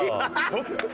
ちょっと！